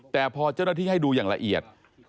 แต่พอเจ้าหน้าที่ให้ดูอย่างละเอียด